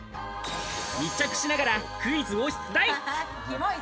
密着しながらクイズを出題。